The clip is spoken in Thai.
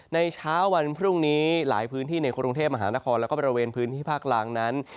ในเช้าวันพรุ่งนี้หลายพื้นที่ในกรุงเทพมหานครแล้วก็บริเวณพื้นที่ภาคล่างนั้น